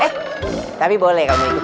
eh tapi boleh kamu ikut